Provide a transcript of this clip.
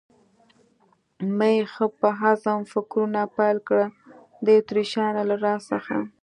مې ښه په عزم فکرونه پیل کړل، د اتریشیانو له راز څخه.